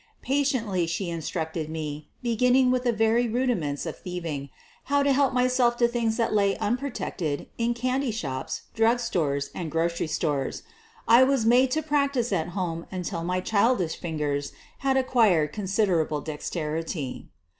Patiently she instructed me, beginning with the very rudiments of thieving — how to help myself to things that lay unprotected in candy shops, drug stores and grocery stores. I was made to practice at home until my childish fingers had ac quired considerable dexterity.